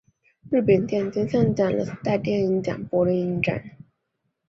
日本电影金像奖蓝丝带电影奖柏林影展